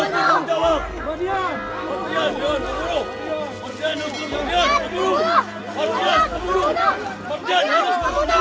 mardian kamu jalan